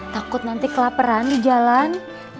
takut nanti kelaperan di jalan